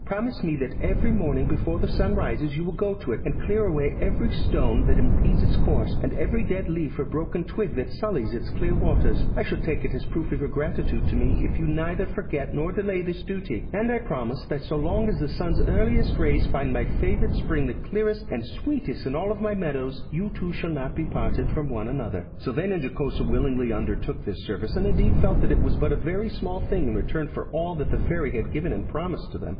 Promise me that every morning before the sun rises you will go to it and clear away every stone that impedes its course, and every dead leaf or broken twig that sullies its clear waters. I shall take it as a proof of your gratitude to me if you neither forget nor delay this duty, and I promise that so long as the sun's earliest rays find my favourite spring the clearest and sweetest in all my meadows, you two shall not be parted from one another.' Sylvain and Jocosa willingly undertook this service, and indeed felt that it was but a very small thing in return for all that the fairy had given and promised to them.